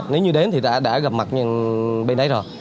nếu như đến thì ta đã gặp mặt bên đấy rồi